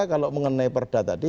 kalau mengenai perda tadi